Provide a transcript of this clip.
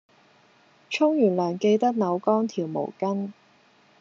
沖完涼記得扭乾條毛巾